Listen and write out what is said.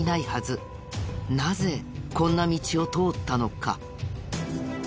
なぜこんな道を通ったのか？